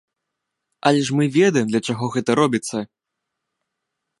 Але ж мы ведаем, для чаго гэта робіцца.